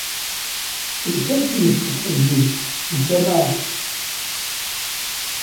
Tenker tmes deg teẓgi, deg tama-a.